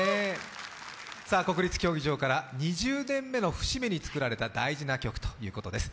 国立競技場から、２０年目の節目に作られた大事な曲ということです。